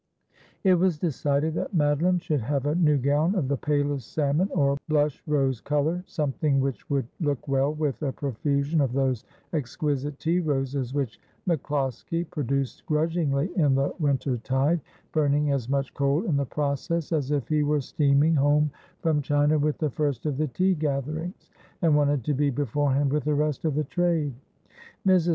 It was decided that Madoline should have a new gown of the palest salmon, or blush rose colour ; something which would look well with a profusion of those exquisite tea roses which MacCIoskie produced grudgingly in the winter tide, burning as much coal in the process as if he were steaming home from China with the first of the tea gatherings, and wanted to be beforehand with the rest of the trade. Mrs.